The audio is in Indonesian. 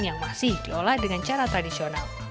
yang masih diolah dengan cara tradisional